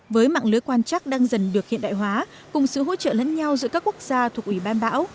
với mạng lưới quan trắc đang dần được hiện đại hóa cùng sự hỗ trợ lẫn nhau giữa các quốc gia thuộc ủy ban bão